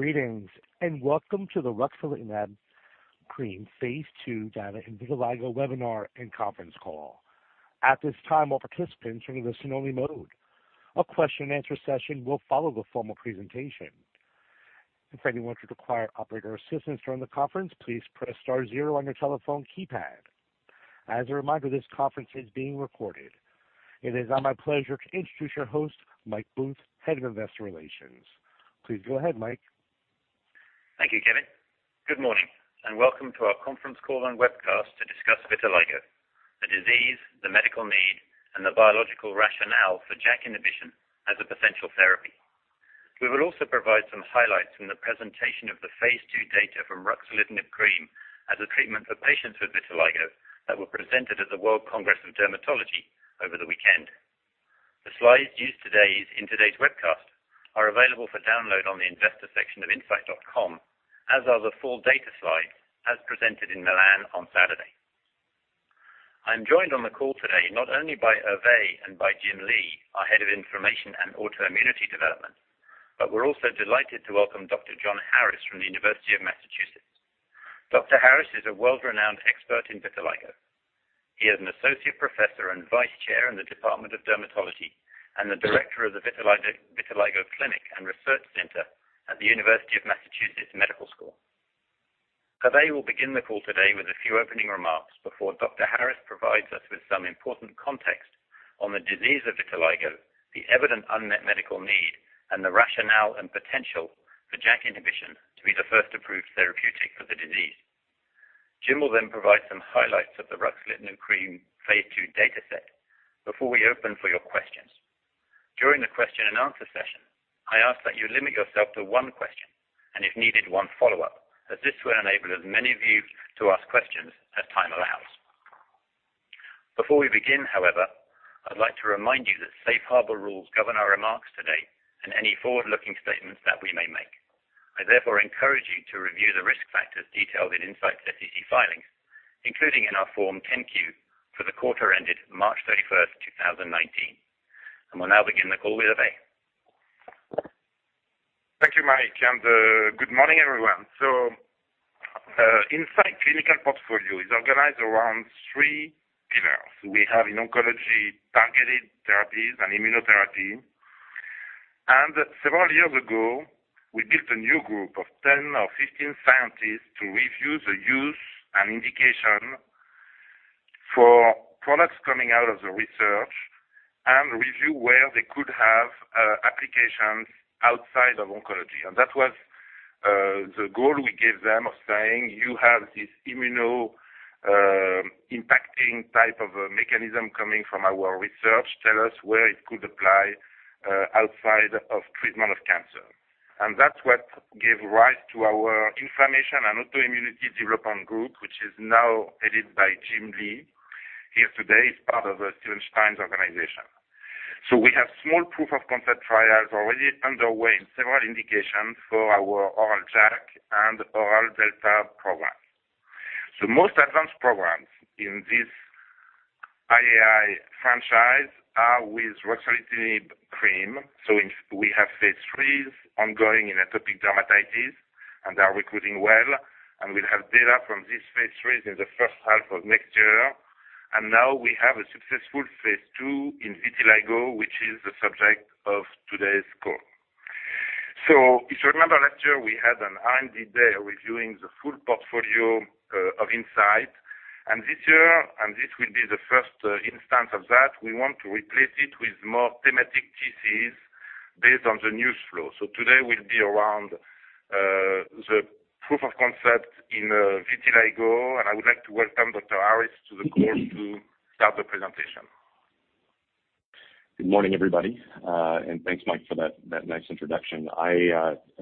Greetings, and welcome to the ruxolitinib cream phase II data in vitiligo webinar and conference call. At this time, all participants are in a listen-only mode. A question and answer session will follow the formal presentation. If anyone should require operator assistance during the conference, please press star zero on your telephone keypad. As a reminder, this conference is being recorded. It is now my pleasure to introduce your host, Mike Booth, Head of Investor Relations. Please go ahead, Mike. Thank you, Kevin. Good morning, and welcome to our conference call and webcast to discuss vitiligo, the disease, the medical need, and the biological rationale for JAK inhibition as a potential therapy. We will also provide some highlights from the presentation of the phase II data from ruxolitinib cream as a treatment for patients with vitiligo that were presented at the World Congress of Dermatology over the weekend. The slides used today in today's webcast are available for download on the investor section of incyte.com, as are the full data slides as presented in Milan on Saturday. I'm joined on the call today not only by Hervé and by Jim Li, our Head of Inflammation and Autoimmunity development, but we're also delighted to welcome Dr. John Harris from the University of Massachusetts. Dr. Harris is a world-renowned expert in vitiligo. He is an Associate Professor and Vice Chair in the Department of Dermatology and the director of the Vitiligo Clinic and Research Center at the University of Massachusetts Medical School. Hervé will begin the call today with a few opening remarks before Dr. Harris provides us with some important context on the disease of vitiligo, the evident unmet medical need, and the rationale and potential for JAK inhibition to be the first approved therapeutic for the disease. Jim will then provide some highlights of the ruxolitinib cream phase II data set before we open for your questions. During the question and answer session, I ask that you limit yourself to one question, and if needed, one follow-up, as this will enable as many of you to ask questions as time allows. Before we begin, however, I'd like to remind you that safe harbor rules govern our remarks today and any forward-looking statements that we may make. I therefore encourage you to review the risk factors detailed in Incyte's SEC filings, including in our Form 10-Q for the quarter ended March 31, 2019. We'll now begin the call with Hervé. Thank you, Mike, and good morning, everyone. Incyte clinical portfolio is organized around three pillars. We have in oncology targeted therapies and immunotherapy. Several years ago, we built a new group of 10 or 15 scientists to review the use and indication for products coming out of the research and review where they could have applications outside of oncology. That was the goal we gave them of saying, you have this immuno-impacting type of a mechanism coming from our research. Tell us where it could apply outside of treatment of cancer. That's what gave rise to our Inflammation and Autoimmunity Development group, which is now headed by Jim Lee here today as part of Steven Stein's organization. We have small proof-of-concept trials already underway in several indications for our oral JAK and oral delta program. Most advanced programs in this IAI franchise are with ruxolitinib cream. We have phase IIIs ongoing in atopic dermatitis and are recruiting well, and we'll have data from this phase IIIs in the first half of next year. Now we have a successful phase II in vitiligo, which is the subject of today's call. If you remember last year, we had an R&D Day reviewing the full portfolio of Incyte. This year, and this will be the first instance of that, we want to replace it with more thematic TCs based on the news flow. Today will be around the proof of concept in vitiligo, and I would like to welcome Dr. Harris to the call to start the presentation. Good morning, everybody. Thanks, Mike, for that nice introduction.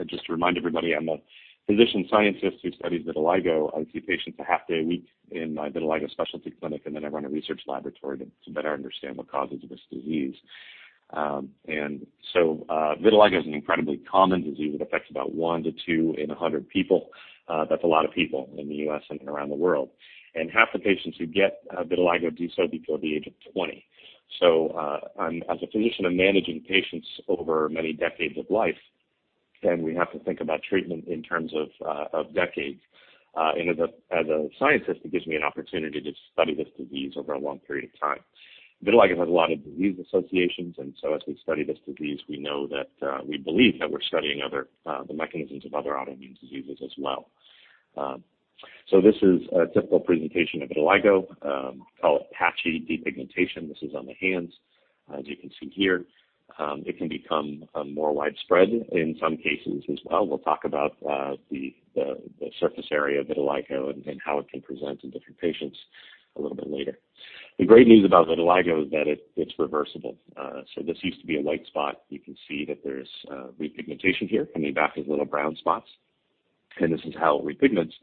Just to remind everybody, I'm a physician scientist who studies vitiligo. I see patients a half day a week in my vitiligo specialty clinic, and then I run a research laboratory to better understand what causes this disease. Vitiligo is an incredibly common disease. It affects about one to two in 100 people. That's a lot of people in the U.S. and around the world. Half the patients who get vitiligo do so before the age of 20. As a physician, I'm managing patients over many decades of life, then we have to think about treatment in terms of decades. As a scientist, it gives me an opportunity to study this disease over a long period of time. Vitiligo has a lot of disease associations, as we study this disease, we believe that we're studying the mechanisms of other autoimmune diseases as well. This is a typical presentation of vitiligo, called patchy depigmentation. This is on the hands, as you can see here. It can become more widespread in some cases as well. We'll talk about the surface area of vitiligo and how it can present in different patients a little bit later. The great news about vitiligo is that it's reversible. This used to be a white spot. You can see that there's repigmentation here, coming back as little brown spots, and this is how it repigments.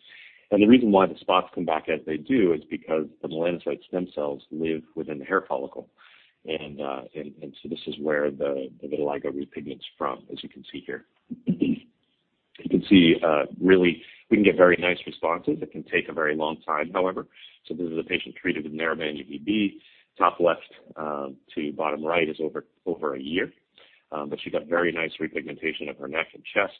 The reason why the spots come back as they do is because the melanocyte stem cells live within the hair follicle. This is where the vitiligo repigments from, as you can see here. You can see, really, we can get very nice responses. It can take a very long time, however. This is a patient treated with narrowband UVB. Top left to bottom right is over a year. She got very nice repigmentation of her neck and chest.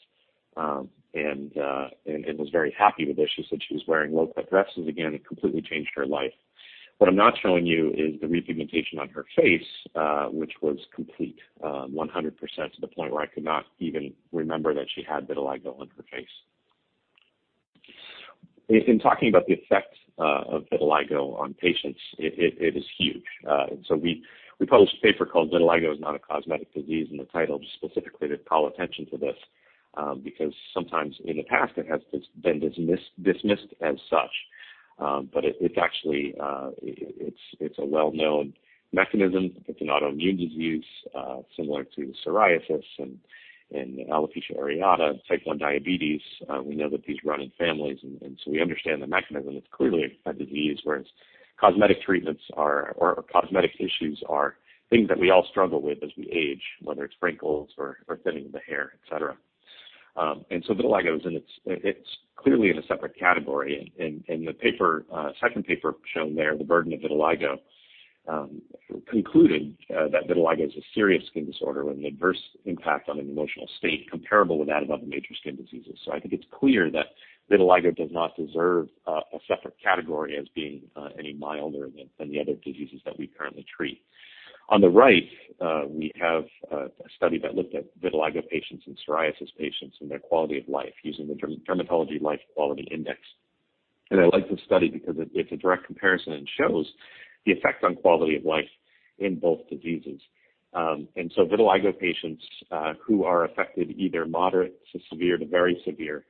Was very happy with this. She said she was wearing low-cut dresses again. It completely changed her life. What I'm not showing you is the repigmentation on her face, which was complete, 100%, to the point where I could not even remember that she had vitiligo on her face. In talking about the effect of vitiligo on patients, it is huge. We published a paper called "Vitiligo is Not a Cosmetic Disease," and the title is specifically to call attention to this, because sometimes in the past, it has been dismissed as such. It's actually a well-known mechanism. It's an autoimmune disease, similar to psoriasis and alopecia areata, type 1 diabetes. We know that these run in families, and so we understand the mechanism. It's clearly a disease, whereas cosmetic treatments or cosmetic issues are things that we all struggle with as we age, whether it's wrinkles or thinning of the hair, et cetera. Vitiligo, it's clearly in a separate category. In the second paper shown there, "The Burden of Vitiligo," concluded that vitiligo is a serious skin disorder with an adverse impact on an emotional state comparable with that of other major skin diseases. I think it's clear that vitiligo does not deserve a separate category as being any milder than the other diseases that we currently treat. On the right, we have a study that looked at vitiligo patients and psoriasis patients, and their quality of life using the Dermatology Life Quality Index. I like this study because it's a direct comparison and shows the effect on quality of life in both diseases. Vitiligo patients who are affected either moderate to severe to very severe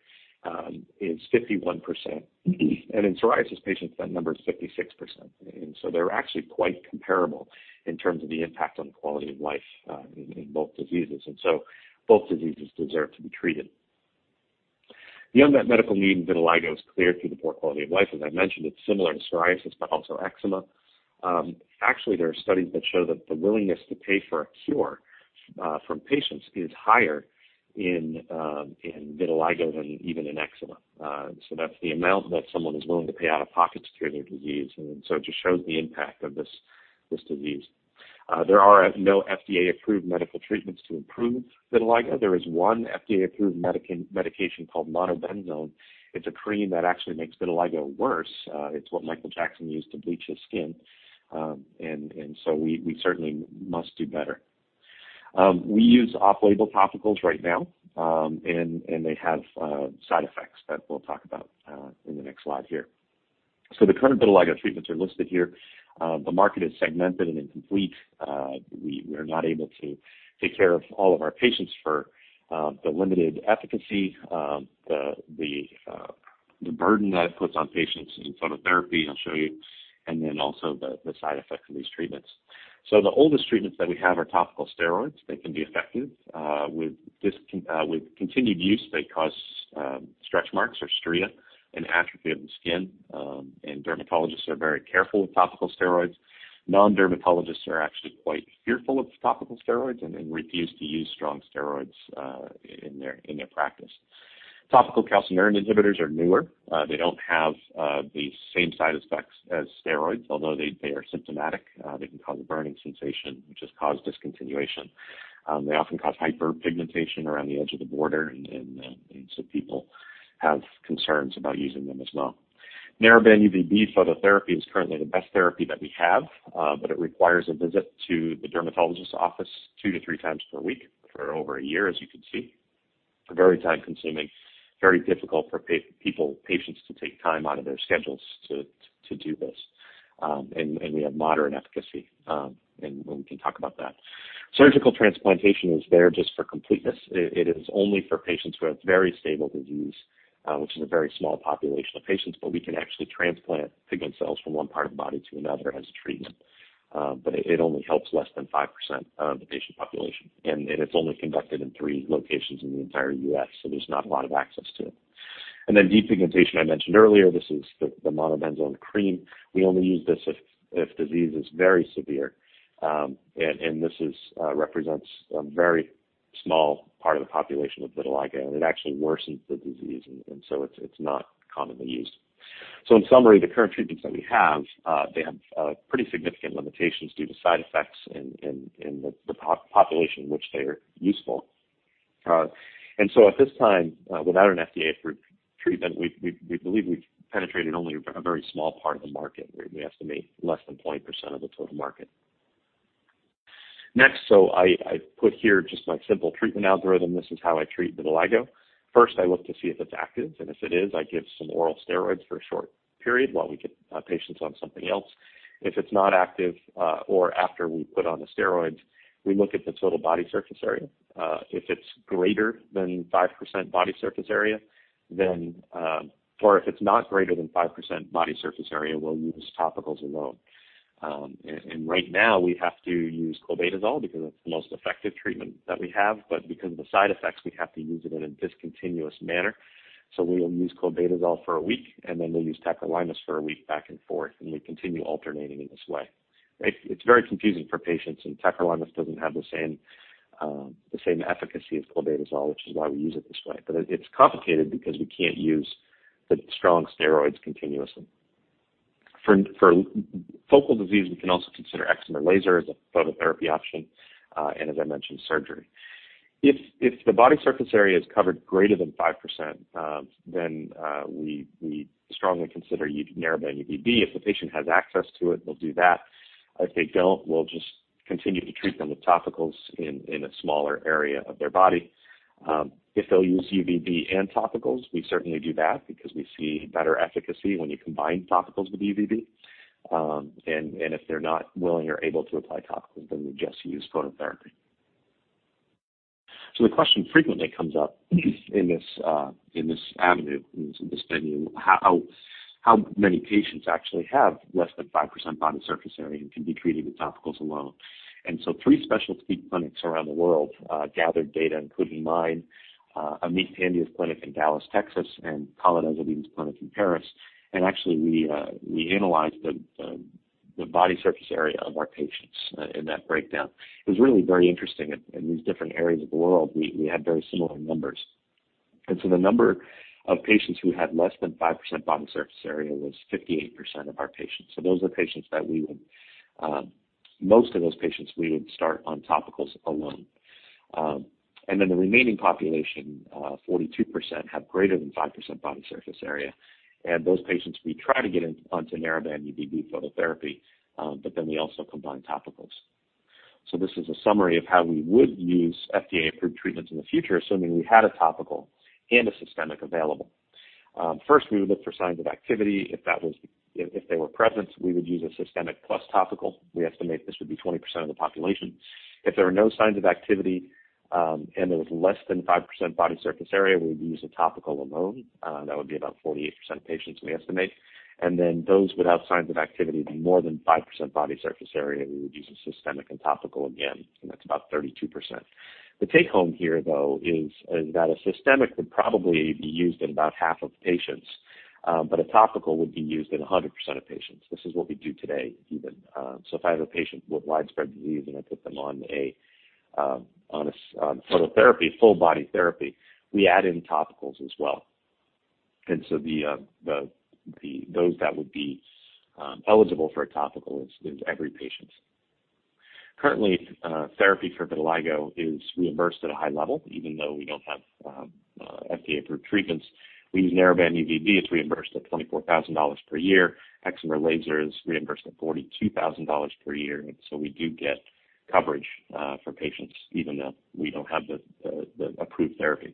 is 51%. In psoriasis patients, that number is 56%. They're actually quite comparable in terms of the impact on quality of life in both diseases. Both diseases deserve to be treated. The unmet medical need in vitiligo is clear through the poor quality of life. As I mentioned, it's similar to psoriasis, but also eczema. Actually, there are studies that show that the willingness to pay for a cure from patients is higher in vitiligo than even in eczema. That's the amount that someone is willing to pay out of pocket to cure their disease, and so it just shows the impact of this disease. There are no FDA-approved medical treatments to improve vitiligo. There is one FDA-approved medication called monobenzone. It's a cream that actually makes vitiligo worse. It's what Michael Jackson used to bleach his skin. We certainly must do better. We use off-label topicals right now, and they have side effects that we'll talk about in the next slide here. The current vitiligo treatments are listed here. The market is segmented and incomplete. We are not able to take care of all of our patients for the limited efficacy, the burden that it puts on patients in phototherapy, I'll show you, and then also the side effects of these treatments. The oldest treatments that we have are topical steroids. They can be effective. With continued use, they cause stretch marks or striae and atrophy of the skin. Dermatologists are very careful with topical steroids. Non-dermatologists are actually quite fearful of topical steroids and refuse to use strong steroids in their practice. Topical calcineurin inhibitors are newer. They don't have the same side effects as steroids, although they are symptomatic. They can cause a burning sensation, which has caused discontinuation. They often cause hyperpigmentation around the edge of the border, and so people have concerns about using them as well. Narrowband UVB phototherapy is currently the best therapy that we have. It requires a visit to the dermatologist's office two to three times per week for over one year, as you can see. Very time-consuming, very difficult for patients to take time out of their schedules to do this. We have moderate efficacy, and we can talk about that. Surgical transplantation is there just for completeness. It is only for patients who have very stable disease, which is a very small population of patients, but we can actually transplant pigment cells from one part of the body to another as a treatment. It only helps less than 5% of the patient population, and it's only conducted in three locations in the entire U.S., so there's not a lot of access to it. Then depigmentation, I mentioned earlier, this is the monobenzone cream. We only use this if the disease is very severe. This represents a very small part of the population with vitiligo, and it actually worsens the disease, and so it's not commonly used. In summary, the current treatments that we have, they have pretty significant limitations due to side effects in the population which they are useful. At this time, without an FDA-approved treatment, we believe we've penetrated only a very small part of the market. We estimate less than 0.5% of the total market. Next, I put here just my simple treatment algorithm. This is how I treat vitiligo. First, I look to see if it's active, and if it is, I give some oral steroids for a short period while we get patients on something else. If it's not active, or after we put on the steroids, we look at the total body surface area. If it's greater than 5% body surface area, or if it's not greater than 5% body surface area, we'll use topicals alone. Right now, we have to use clobetasol because it's the most effective treatment that we have, but because of the side effects, we have to use it in a discontinuous manner. We will use clobetasol for a week, and then we'll use tacrolimus for a week back and forth, and we continue alternating in this way. It's very confusing for patients, and tacrolimus doesn't have the same efficacy as clobetasol, which is why we use it this way. It's complicated because we can't use the strong steroids continuously. For focal disease, we can also consider excimer laser as a phototherapy option, and as I mentioned, surgery. If the body surface area is covered greater than 5%, then we strongly consider narrowband UVB. If the patient has access to it, they'll do that. If they don't, we'll just continue to treat them with topicals in a smaller area of their body. If they'll use UVB and topicals, we certainly do that because we see better efficacy when you combine topicals with UVB. If they're not willing or able to apply topicals, then we just use phototherapy. The question frequently comes up in this avenue, in this venue, how many patients actually have less than 5% body surface area and can be treated with topicals alone. Three specialty clinics around the world gathered data, including mine, Amit Pandya's clinic in Dallas, Texas, and Philippe Azoulay's clinic in Paris. Actually, we analyzed the body surface area of our patients in that breakdown. It was really very interesting. In these different areas of the world, we had very similar numbers. The number of patients who had less than 5% body surface area was 58% of our patients. Those are patients that we would Most of those patients we would start on topicals alone. The remaining population, 42%, have greater than 5% body surface area. Those patients, we try to get onto narrowband UVB phototherapy, we also combine topicals. This is a summary of how we would use FDA-approved treatments in the future, assuming we had a topical and a systemic available. First, we would look for signs of activity. If they were present, we would use a systemic plus topical. We estimate this would be 20% of the population. If there were no signs of activity, there was less than 5% body surface area, we would use a topical alone. That would be about 48% of patients, we estimate. Those without signs of activity, be more than 5% body surface area, we would use a systemic and topical again, and that's about 32%. The take home here, though, is that a systemic would probably be used in about half of patients, but a topical would be used in 100% of patients. This is what we do today, even. If I have a patient with widespread disease and I put them on a phototherapy, full body therapy, we add in topicals as well. Those that would be eligible for a topical is every patient. Currently, therapy for vitiligo is reimbursed at a high level, even though we don't have FDA-approved treatments. We use narrowband UVB. It's reimbursed at $24,000 per year. Excimer laser is reimbursed at $42,000 per year. We do get coverage for patients even though we don't have the approved therapy.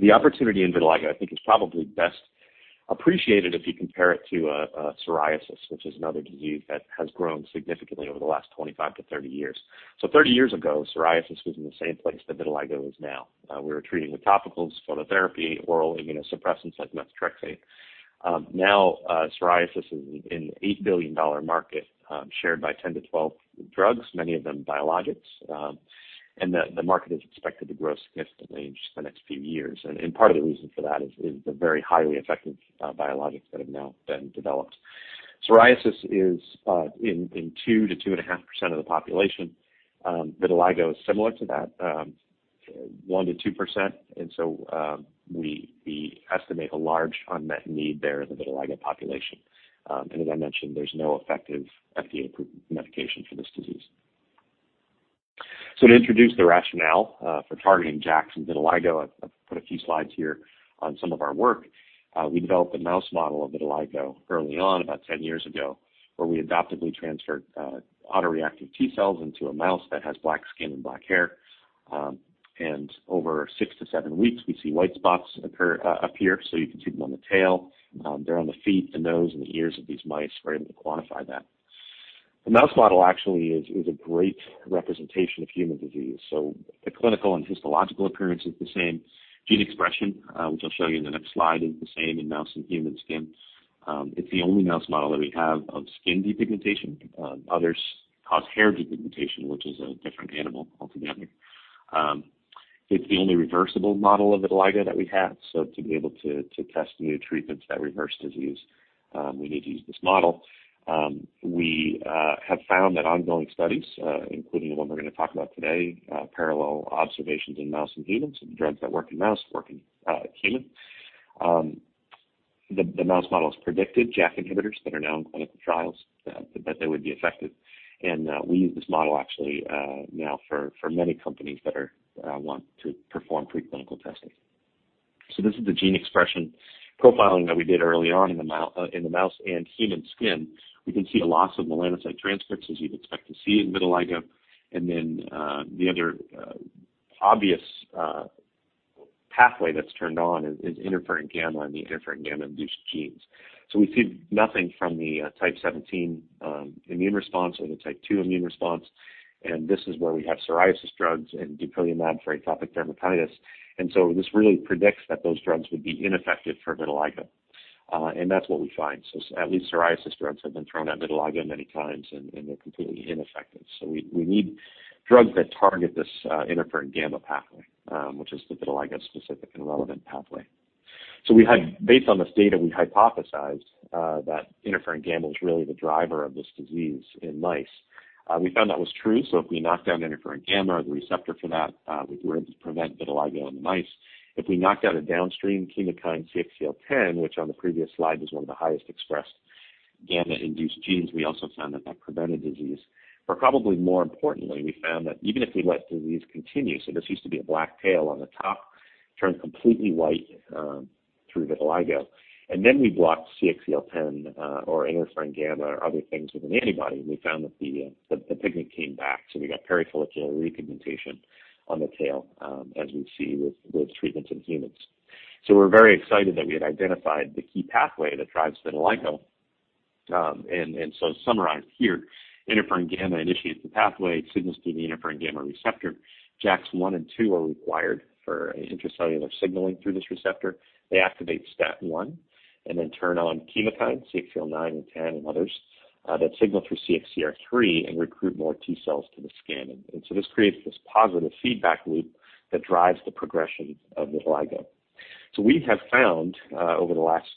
The opportunity in vitiligo, I think, is probably best appreciated if you compare it to psoriasis, which is another disease that has grown significantly over the last 25 to 30 years. 30 years ago, psoriasis was in the same place that vitiligo is now. We were treating with topicals, phototherapy, oral immunosuppressants like methotrexate. Now, psoriasis is an $8 billion market shared by 10 to 12 drugs, many of them biologics, and the market is expected to grow significantly in just the next few years. Part of the reason for that is the very highly effective biologics that have now been developed. Psoriasis is in 2%-2.5% of the population. Vitiligo is similar to that, 1%-2%. We estimate a large unmet need there in the vitiligo population. As I mentioned, there's no effective FDA-approved medication for this disease. To introduce the rationale for targeting JAKs in vitiligo, I've put a few slides here on some of our work. We developed a mouse model of vitiligo early on, about 10 years ago, where we adoptively transferred autoreactive T cells into a mouse that has black skin and black hair. Over six to seven weeks, we see white spots appear. You can see them on the tail. They're on the feet, the nose, and the ears of these mice. We're able to quantify that. The mouse model actually is a great representation of human disease. The clinical and histological appearance is the same. Gene expression, which I'll show you in the next slide, is the same in mouse and human skin. It's the only mouse model that we have of skin depigmentation. Others cause hair depigmentation, which is a different animal altogether. It's the only reversible model of vitiligo that we have. To be able to test new treatments that reverse disease, we need to use this model. We have found that ongoing studies, including the one we're going to talk about today, parallel observations in mouse and humans, so the drugs that work in mouse work in human. The mouse model has predicted JAK inhibitors that are now in clinical trials, that they would be effective. We use this model actually now for many companies that want to perform preclinical testing. This is the gene expression profiling that we did early on in the mouse and human skin. We can see a loss of melanocyte transcripts, as you'd expect to see in vitiligo, and then the other obvious pathway that's turned on is interferon gamma and the interferon gamma-induced genes. We see nothing from the type 17 immune response or the type 2 immune response, and this is where we have psoriasis drugs and dupilumab for atopic dermatitis. This really predicts that those drugs would be ineffective for vitiligo, and that's what we find. At least psoriasis drugs have been thrown at vitiligo many times, and they're completely ineffective. We need drugs that target this interferon gamma pathway, which is the vitiligo-specific and relevant pathway. Based on this data, we hypothesized that interferon gamma was really the driver of this disease in mice. We found that was true. If we knocked down interferon gamma, the receptor for that, we were able to prevent vitiligo in the mice. If we knocked out a downstream chemokine CXCL10, which on the previous slide was one of the highest expressed gamma-induced genes, we also found that that prevented disease. Probably more importantly, we found that even if we let disease continue, this used to be a black tail on the top, turned completely white through vitiligo. We blocked CXCL10 or interferon gamma or other things with an antibody, and we found that the pigment came back. We got perifollicular repigmentation on the tail as we see with those treatments in humans. We were very excited that we had identified the key pathway that drives vitiligo. Summarized here, interferon gamma initiates the pathway. It signals through the interferon gamma receptor. JAKs one and two are required for intracellular signaling through this receptor. They activate STAT1 and then turn on chemokine CXCL9 and 10 and others that signal through CXCR3 and recruit more T cells to the skin. This creates this positive feedback loop that drives the progression of vitiligo. We have found, over the last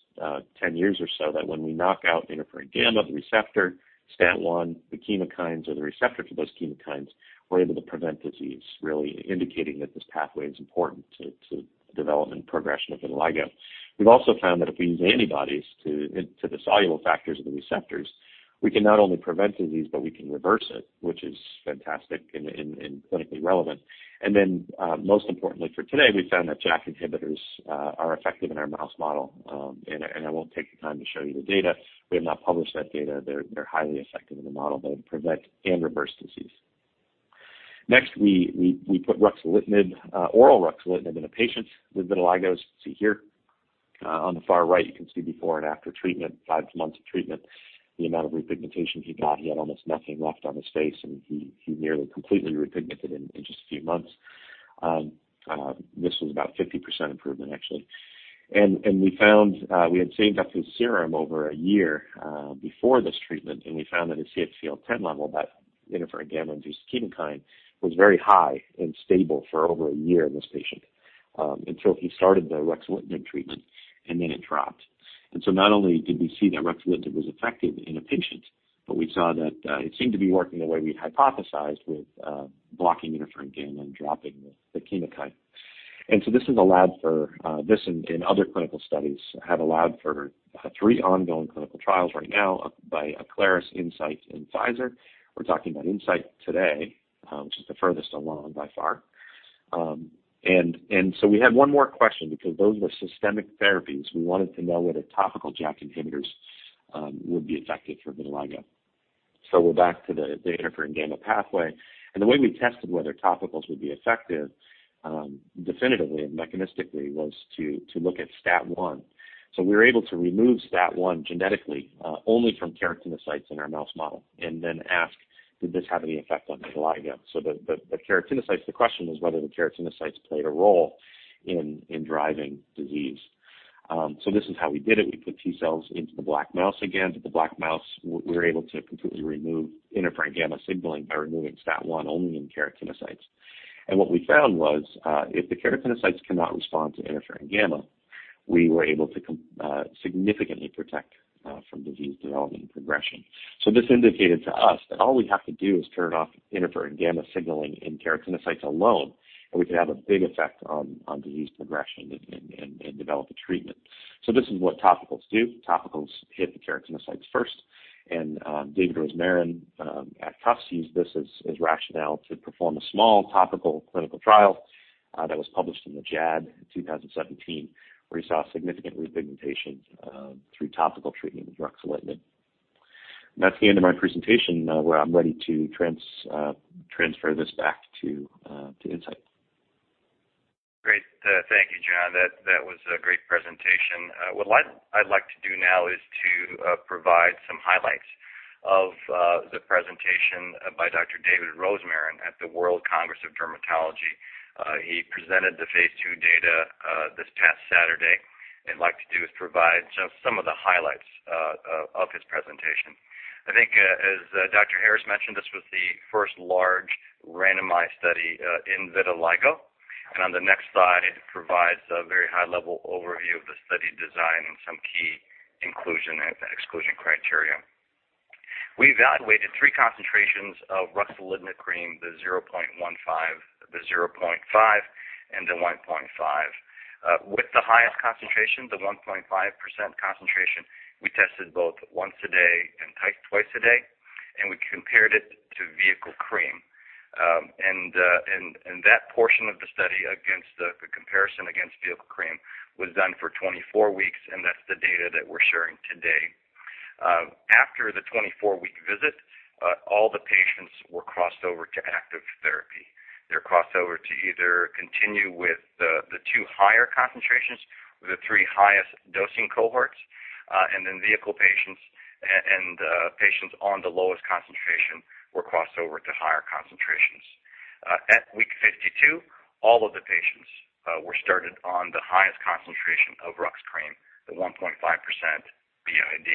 10 years or so, that when we knock out interferon gamma, the receptor, STAT1, the chemokines or the receptor for those chemokines, we are able to prevent disease, really indicating that this pathway is important to development and progression of vitiligo. We have also found that if we use antibodies to the soluble factors of the receptors, we can not only prevent disease, but we can reverse it, which is fantastic and clinically relevant. Then, most importantly for today, we found that JAK inhibitors are effective in our mouse model. I will not take the time to show you the data. We have not published that data. They're highly effective in the model. They prevent and reverse disease. Next, we put ruxolitinib, oral ruxolitinib in a patient with vitiligo. See here, on the far right, you can see before and after treatment, five months of treatment, the amount of repigmentation he got. He had almost nothing left on his face, and he nearly completely repigmented in just a few months. This was about 50% improvement, actually. We had saved up his serum over a year before this treatment, and we found that his CXCL10 level, that interferon gamma-induced chemokine, was very high and stable for over a year in this patient until he started the ruxolitinib treatment, and then it dropped. Not only did we see that ruxolitinib was effective in a patient, but we saw that it seemed to be working the way we hypothesized with blocking interferon gamma and dropping the chemokine. This and other clinical studies have allowed for three ongoing clinical trials right now by Aclaris, Incyte, and Pfizer. We're talking about Incyte today, which is the furthest along by far. We had one more question because those were systemic therapies. We wanted to know whether topical JAK inhibitors would be effective for vitiligo. We're back to the interferon gamma pathway. The way we tested whether topicals would be effective, definitively and mechanistically, was to look at STAT1. We were able to remove STAT1 genetically, only from keratinocytes in our mouse model, and then ask, did this have any effect on vitiligo? The question was whether the keratinocytes played a role in driving disease. This is how we did it. We put T cells into the black mouse again, but the black mouse, we were able to completely remove interferon gamma signaling by removing STAT1 only in keratinocytes. What we found was, if the keratinocytes cannot respond to interferon gamma, we were able to significantly protect from disease development and progression. This indicated to us that all we have to do is turn off interferon gamma signaling in keratinocytes alone, and we can have a big effect on disease progression and develop a treatment. This is what topicals do. Topicals hit the keratinocytes first. David Rosmarin at Tufts used this as rationale to perform a small topical clinical trial that was published in the JAAD in 2017, where he saw significant repigmentation through topical treatment with ruxolitinib. That's the end of my presentation where I'm ready to transfer this back to Incyte. Great. Thank you, John. That was a great presentation. What I'd like to do now is to provide some highlights of the presentation by Dr. David Rosmarin at the World Congress of Dermatology. He presented the phase II data this past Saturday, what I'd like to do is provide just some of the highlights of his presentation. I think as Dr. Harris mentioned, this was the first large randomized study in vitiligo. On the next slide, it provides a very high-level overview of the study design and some key inclusion and exclusion criteria. We evaluated three concentrations of ruxolitinib cream, the 0.15, the 0.5, and the 1.5. With the highest concentration, the 1.5% concentration, we tested both once a day and twice a day, and we compared it to vehicle cream. That portion of the study against the comparison against vehicle cream was done for 24 weeks, that's the data that we're sharing today. After the 24-week visit, all the patients were crossed over to active therapy. They were crossed over to either continue with the two higher concentrations or the three highest dosing cohorts. Vehicle patients and patients on the lowest concentration were crossed over to higher concentrations. At week 52, all of the patients were started on the highest concentration of RUX cream, the 1.5% BID.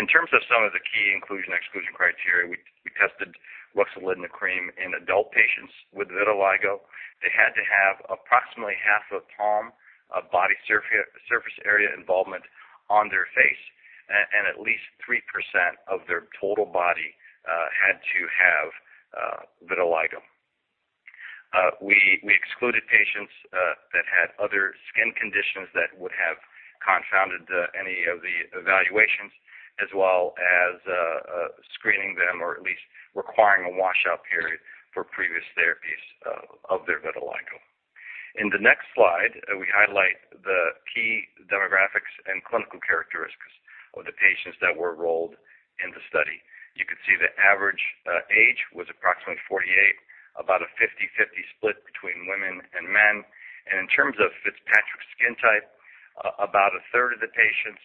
In terms of some of the key inclusion/exclusion criteria, we tested ruxolitinib cream in adult patients with vitiligo. They had to have approximately half a palm of body surface area involvement on their face, and at least 3% of their total body had to have vitiligo. We excluded patients that had other skin conditions that would have confounded any of the evaluations, as well as screening them, or at least requiring a washout period for previous therapies of their vitiligo. In the next slide, we highlight the key demographics and clinical characteristics of the patients that were enrolled in the study. You can see the average age was approximately 48, about a 50/50 split between women and men. In terms of Fitzpatrick skin type, about a third of the patients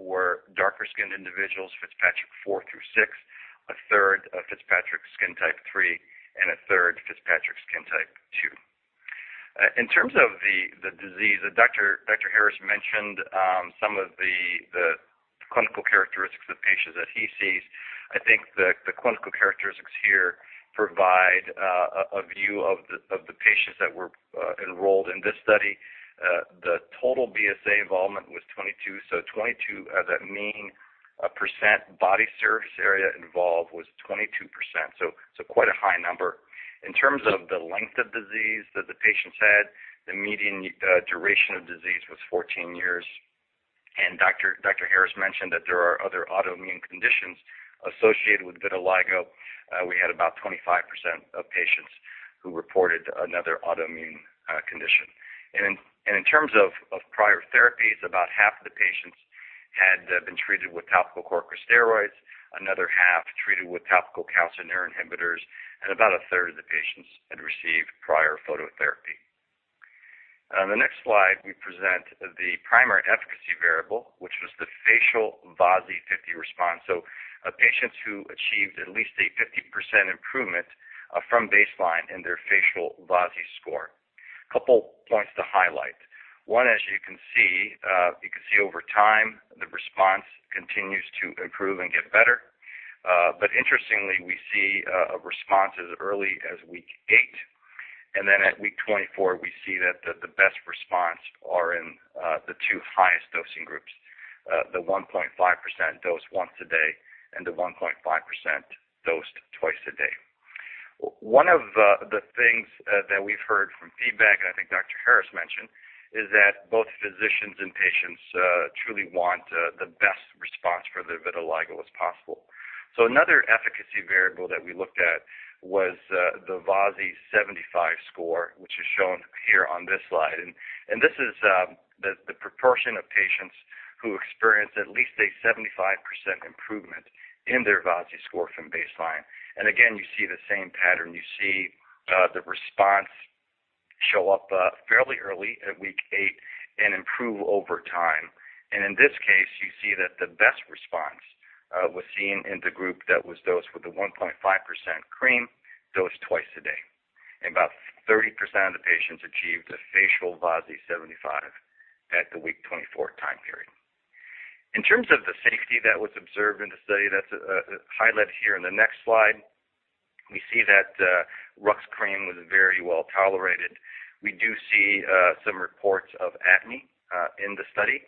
were darker-skinned individuals, Fitzpatrick 4 through 6, a third Fitzpatrick skin type 3, and a third Fitzpatrick skin type 2. In terms of the disease, Dr. Harris mentioned some of the clinical characteristics of patients that he sees. I think the clinical characteristics here provide a view of the patients that were enrolled in this study. The total BSA involvement was 22, so 22 as a mean percent body surface area involved was 22%, so quite a high number. In terms of the length of disease that the patients had, the median duration of disease was 14 years. Dr. Harris mentioned that there are other autoimmune conditions associated with vitiligo. We had about 25% of patients who reported another autoimmune condition. In terms of prior therapies, about half the patients had been treated with topical corticosteroids, another half treated with topical calcineurin inhibitors, and about a third of the patients had received prior phototherapy. On the next slide, we present the primary efficacy variable, which was the facial VASI-50 response, so patients who achieved at least a 50% improvement from baseline in their facial VASI score. Couple points to highlight. One, as you can see, you can see over time, the response continues to improve and get better. Interestingly, we see a response as early as week eight, and then at week 24, we see that the best response are in the two highest dosing groups, the 1.5% dose once a day and the 1.5% dose twice a day. One of the things that we've heard from feedback, and I think Dr. Harris mentioned, is that both physicians and patients truly want the best response for their vitiligo as possible. Another efficacy variable that we looked at was the VASI 75 score, which is shown here on this slide. This is the proportion of patients who experience at least a 75% improvement in their VASI score from baseline. Again, you see the same pattern. You see the response show up fairly early at week eight and improve over time. In this case, you see that the best response was seen in the group that was dosed with the 1.5% cream dosed twice a day. About 30% of the patients achieved a facial VASI 75 at the week 24 time period. In terms of the safety that was observed in the study, that's highlighted here in the next slide. We see that ruxolitinib cream was very well-tolerated. We do see some reports of acne in the study,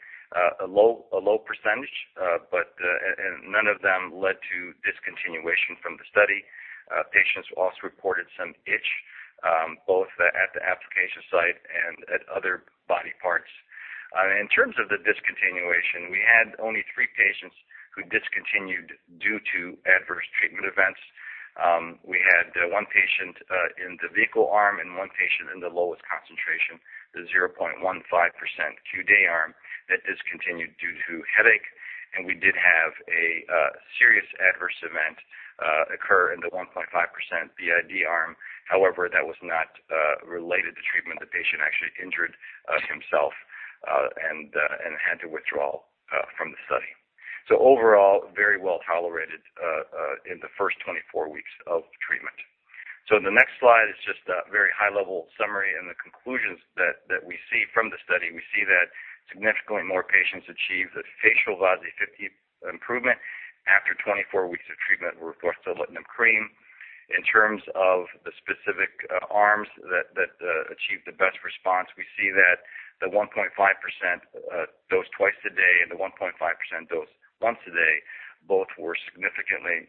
a low percentage, and none of them led to discontinuation from the study. Patients also reported some itch, both at the application site and at other body parts. In terms of the discontinuation, we had only three patients who discontinued due to adverse treatment events. We had one patient in the vehicle arm and one patient in the lowest concentration, the 0.15% QD arm, that discontinued due to headache. We did have a serious adverse event occur in the 1.5% b.i.d. arm. However, that was not related to treatment. The patient actually injured himself and had to withdraw from the study. Overall, very well-tolerated in the first 24 weeks of treatment. The next slide is just a very high-level summary, the conclusions that we see from the study, we see that significantly more patients achieved a facial VASI-50 improvement after 24 weeks of treatment with ruxolitinib cream. In terms of the specific arms that achieved the best response, we see that the 1.5% dose twice a day and the 1.5% dose once a day both were significantly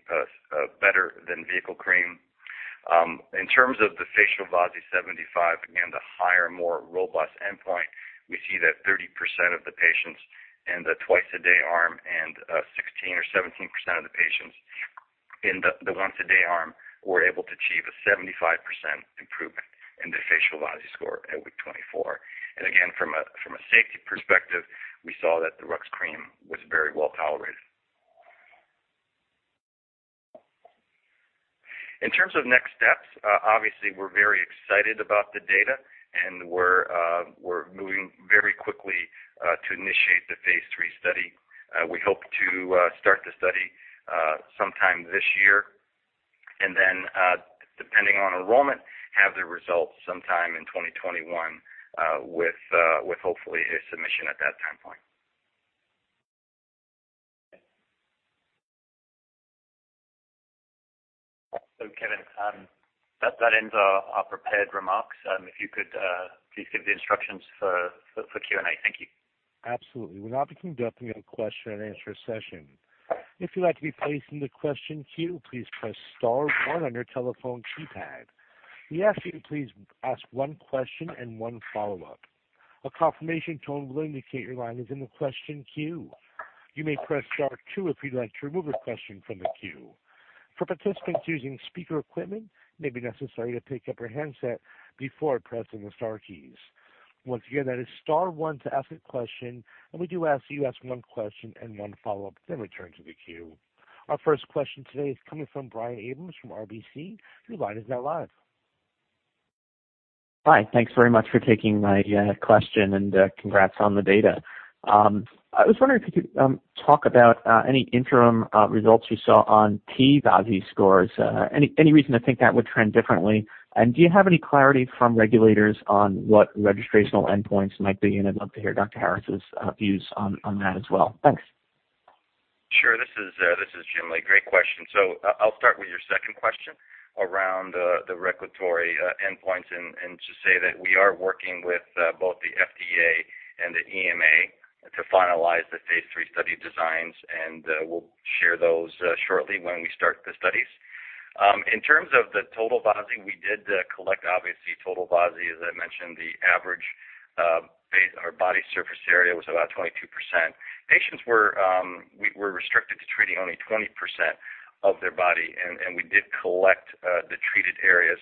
better than vehicle cream. In terms of the facial VASI-75, again, the higher, more robust endpoint, we see that 30% of the patients in the twice-a-day arm and 16% or 17% of the patients in the once-a-day arm were able to achieve a 75% improvement in the facial VASI score at week 24. Again, from a safety perspective, we saw that the Rux cream was very well-tolerated. In terms of next steps, obviously, we're very excited about the data, and we're moving very quickly to initiate the phase III study. We hope to start the study sometime this year. Then, depending on enrollment, have the results sometime in 2021, with hopefully a submission at that time point. Kevin, that ends our prepared remarks. If you could please give the instructions for Q&A. Thank you. Absolutely. We're now beginning to open up a question and answer session. If you'd like to be placed in the question queue, please press star one on your telephone keypad. We ask you to please ask one question and one follow-up. A confirmation tone will indicate your line is in the question queue. You may press star two if you'd like to remove a question from the queue. For participants using speaker equipment, it may be necessary to pick up your handset before pressing the star keys. Once again, that is star one to ask a question, and we do ask that you ask one question and one follow-up, then return to the queue. Our first question today is coming from Brian Abrahams from RBC. Your line is now live. Hi. Thanks very much for taking my question and congrats on the data. I was wondering if you could talk about any interim results you saw on T-VASI scores, any reason to think that would trend differently? Do you have any clarity from regulators on what registrational endpoints might be? I'd love to hear Dr. Harris' views on that as well. Thanks. Sure. This is Jim Lee. Great question. I'll start with your second question around the regulatory endpoints, and to say that we are working with both the FDA and the EMA to finalize the phase III study designs, and we'll share those shortly when we start the studies. In terms of the total VASI, we did collect, obviously, total VASI. As I mentioned, the average body surface area was about 22%. Patients were restricted to treating only 20% of their body, and we did collect the treated areas,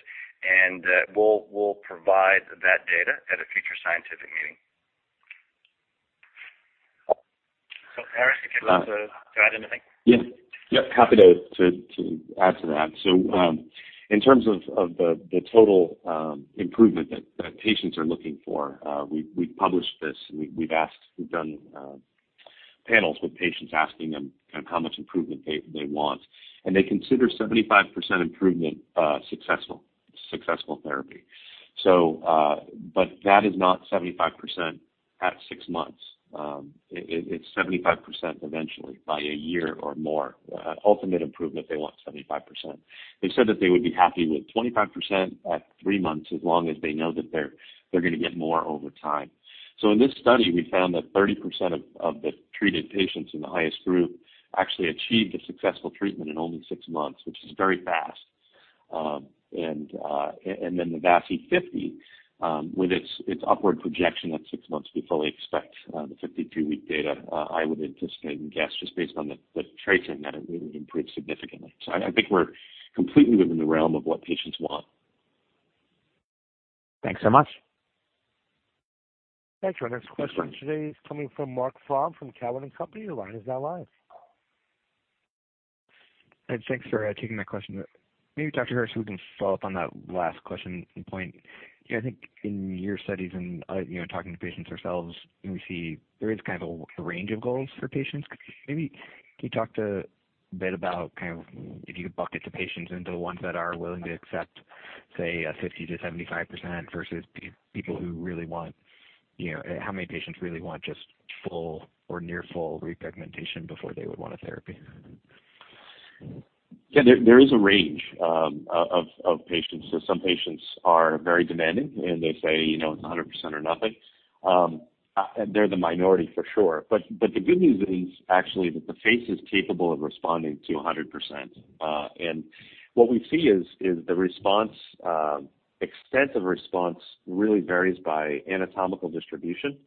and we'll provide that data at a future scientific meeting. Harris, if you want to add anything. Yeah. Happy to add to that. In terms of the total improvement that patients are looking for, we've published this and we've done panels with patients, asking them how much improvement they want, and they consider 75% improvement successful therapy. That is not 75% at 6 months. It's 75% eventually by 1 year or more. Ultimate improvement, they want 75%. They said that they would be happy with 25% at 3 months, as long as they know that they're going to get more over time. In this study, we found that 30% of the treated patients in the highest group actually achieved a successful treatment in only 6 months, which is very fast. The VASI-50, with its upward projection at 6 months, we fully expect the 52-week data. I would anticipate and guess, just based on the tracing, that it really improved significantly. I think we're completely within the realm of what patients want. Thanks so much. Thanks. Our next question today is coming from Marc Frahm from TD Cowen. Your line is now live. Thanks for taking my question. Maybe Dr. Harris, we can follow up on that last question and point. I think in your studies and talking to patients ourselves, we see there is kind of a range of goals for patients. Could you maybe talk a bit about if you bucket the patients into the ones that are willing to accept, say, 50%-75% versus people who really want just full or near full repigmentation before they would want a therapy? There is a range of patients. Some patients are very demanding, and they say, "100% or nothing." They're the minority for sure. The good news is actually that the face is capable of responding to 100%. What we see is the extensive response really varies by anatomical distribution.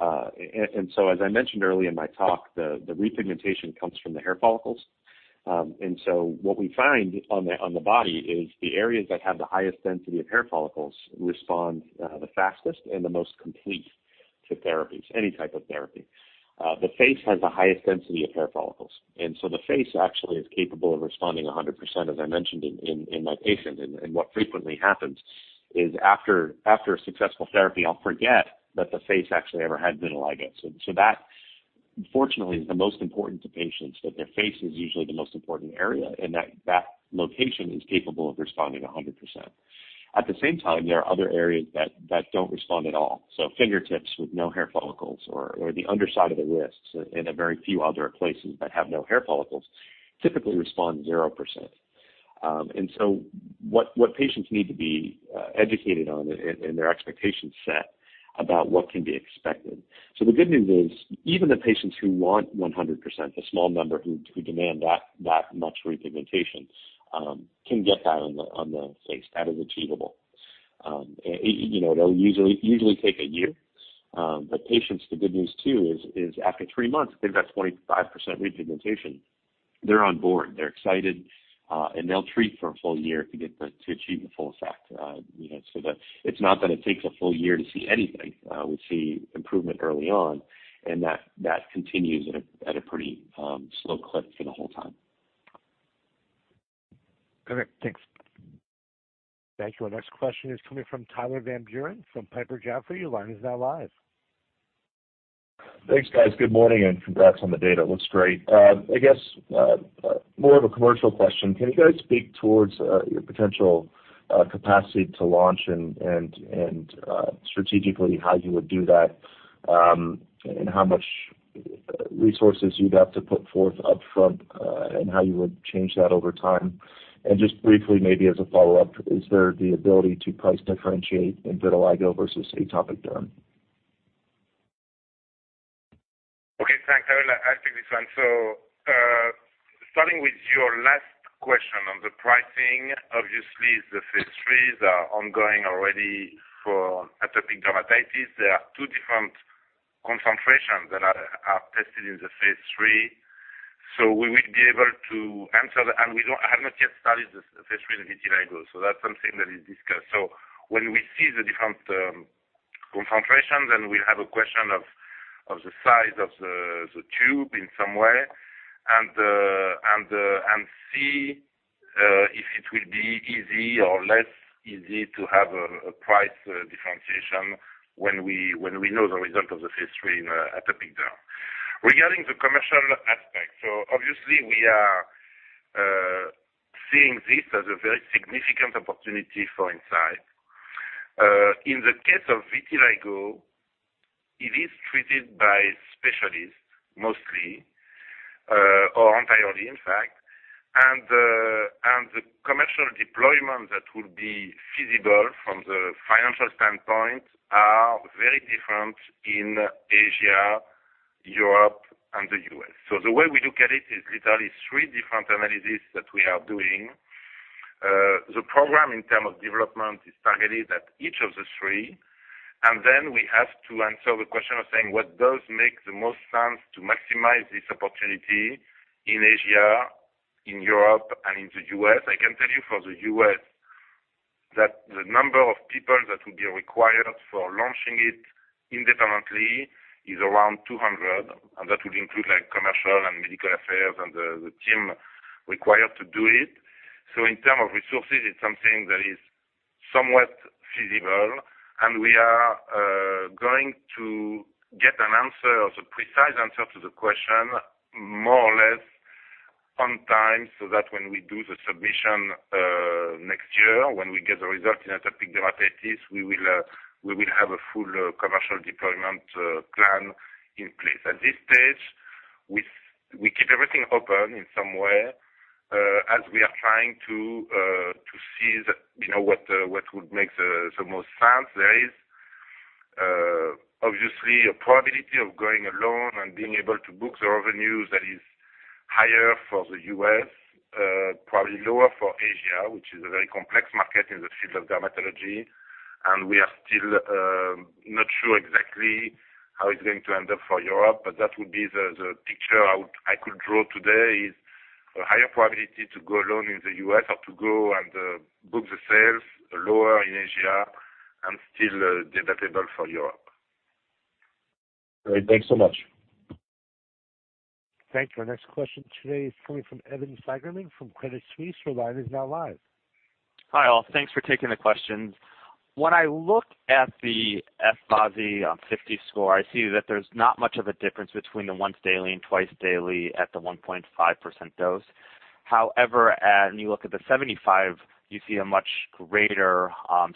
As I mentioned earlier in my talk, the repigmentation comes from the hair follicles. What we find on the body is the areas that have the highest density of hair follicles respond the fastest and the most complete to therapies, any type of therapy. The face has the highest density of hair follicles, the face actually is capable of responding 100%, as I mentioned in my patient. What frequently happens is after a successful therapy, I'll forget that the face actually ever had vitiligo. That, fortunately, is the most important to patients, that their face is usually the most important area, and that location is capable of responding 100%. At the same time, there are other areas that don't respond at all. Fingertips with no hair follicles or the underside of the wrists and a very few other places that have no hair follicles typically respond 0%. What patients need to be educated on and their expectations set about what can be expected. The good news is, even the patients who want 100%, the small number who demand that much repigmentation, can get that on the face. That is achievable. It'll usually take a year. Patients, the good news too is after three months, if they've got 25% repigmentation, they're on board, they're excited, and they'll treat for a full year to achieve the full effect. It's not that it takes a full year to see anything. We see improvement early on, and that continues at a pretty slow clip for the whole time. Perfect. Thanks. Thank you. Our next question is coming from Tyler Van Buren from Piper Jaffray. Your line is now live. Thanks, guys. Good morning and congrats on the data. It looks great. I guess. More of a commercial question. Can you guys speak towards your potential capacity to launch and strategically how you would do that? How much resources you'd have to put forth upfront, and how you would change that over time? Just briefly, maybe as a follow-up, is there the ability to price differentiate in vitiligo versus atopic derm? Okay, thanks. I will take this one. Starting with your last question on the pricing, obviously, the phase III are ongoing already for atopic dermatitis. There are two different concentrations that are tested in the phase III. We will be able to answer that. We have not yet started the phase III in vitiligo. That's something that is discussed. When we see the different concentrations, then we'll have a question of the size of the tube in some way, and see if it will be easy or less easy to have a price differentiation when we know the result of the phase III in atopic derm. Regarding the commercial aspect, obviously we are seeing this as a very significant opportunity for Incyte. In the case of vitiligo, it is treated by specialists mostly, or entirely, in fact. The commercial deployment that will be feasible from the financial standpoint are very different in Asia, Europe, and the U.S. The way we look at it is literally three different analyses that we are doing. The program in terms of development is targeted at each of the three, then we have to answer the question of saying, what does make the most sense to maximize this opportunity in Asia, in Europe, and in the U.S.? I can tell you for the U.S. that the number of people that will be required for launching it independently is around 200, and that would include commercial and medical affairs and the team required to do it. In terms of resources, it's something that is somewhat feasible, and we are going to get an answer, the precise answer to the question, more or less on time, so that when we do the submission next year, when we get the results in atopic dermatitis, we will have a full commercial deployment plan in place. At this stage, we keep everything open in some way, as we are trying to see what would make the most sense. There is obviously a probability of going alone and being able to book the revenues that is higher for the U.S., probably lower for Asia, which is a very complex market in the field of dermatology. We are still not sure exactly how it's going to end up for Europe, but that would be the picture I could draw today, is a higher probability to go alone in the U.S. or to go and book the sales lower in Asia and still debatable for Europe. All right. Thanks so much. Thank you. Our next question today is coming from Evan Seigerman from Credit Suisse for the line is now live. Hi, all. Thanks for taking the questions. When I look at the F-VASI 50 score, I see that there's not much of a difference between the once daily and twice daily at the 1.5% dose. However, when you look at the 75, you see a much greater